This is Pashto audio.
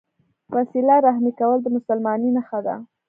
وسیله رحمي کول د مسلمانۍ نښه ده.